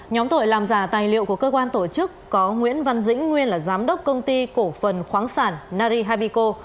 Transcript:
nhóm tội làm giả tài liệu của cơ quan tổ chức có nguyễn văn dĩnh nguyên là giám đốc công ty cổ phần khoáng sản nari habico